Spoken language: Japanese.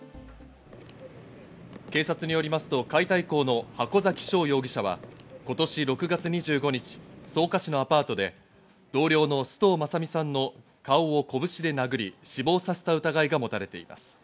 警察によりますと、解体工の箱崎翔容疑者は、今年６月２５日、草加市のアパートで同僚の須藤政美さんの顔を拳で殴り、死亡させた疑いがもたれています。